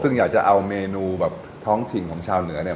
ซึ่งอยากจะเอาเมนูแบบท้องถิ่นของชาวเหนือเนี่ย